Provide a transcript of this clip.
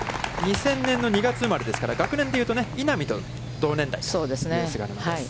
２０００年の２月生まれですから、学年で言うと、稲見と同年代という菅沼です。